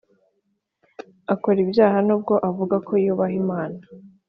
Akora ibyaha nubwo avuga ko yubaha Imana